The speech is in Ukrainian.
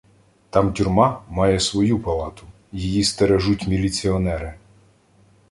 Там тюрма має свою палату, її стережуть міліціонери.